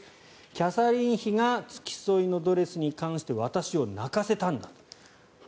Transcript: キャサリン妃が付き添いのドレスに関して私を泣かせたんだと。